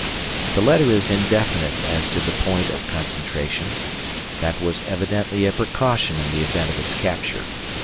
The letter is indefinite as to the point of concentration that was evidently a precaution in the event of its capture.